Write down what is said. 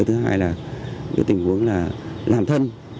thứ hai là tình huống làm thân